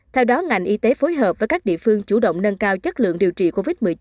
theo đó ngành y tế phối hợp với các địa phương chủ động nâng cao chất lượng điều trị covid một mươi chín